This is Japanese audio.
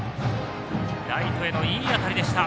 ライトへのいい当たりでした。